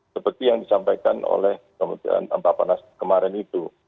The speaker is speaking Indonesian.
seperti yang disampaikan oleh kementerian bapak nas kemarin itu